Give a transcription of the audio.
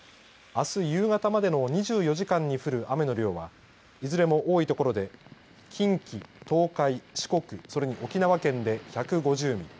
あす夕方までの２４時間に降る雨の量はいずれも多い所で近畿、東海、四国ｄそれに沖縄県で１５０ミリ